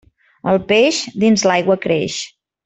El peix, dins l'aigua creix.